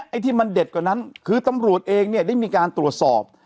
ไอ้ที่มันเด็ดกว่านั้นคือตำรวจเองเนี่ยได้มีการตรวจสอบ